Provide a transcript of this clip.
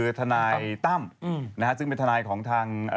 คือทนายตั้มซึ่งเป็นทนายของทาง